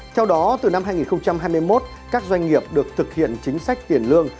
theo đó từ năm hai nghìn hai mươi một các doanh nghiệp được thực hiện chính sách tiền lương